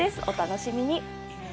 お楽しみに。